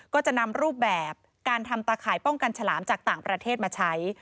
ก็จะนำรูปแบบการทำตาข่ายป้องกันฉลามจากต่างประเทศมาใช้